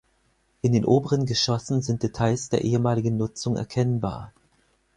In den oberen Geschossen sind Details der ehemaligen Nutzung erkennbar.